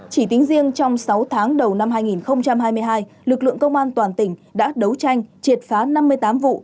chỉ tính riêng trong sáu tháng đầu năm hai nghìn hai mươi hai lực lượng công an toàn tỉnh đã đấu tranh triệt phá năm mươi tám vụ